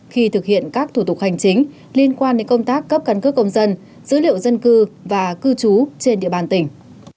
khi thực hiện các thủ tục hành chính liên quan đến công tác cấp căn cước công dân dữ liệu dân cư và cư trú trên địa bàn tỉnh